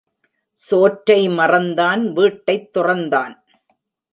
சோற்றை மறந்தான் வீட்டைத் துறந்தான்.